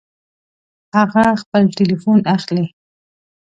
هغه خپل ټيليفون اخلي